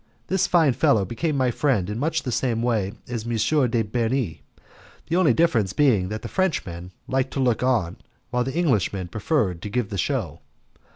This fine fellow became my friend in much the same way as M. de Bernis, the only difference being that the Frenchman liked to look on while the Englishman preferred to give the show.